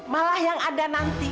malah yang ada nanti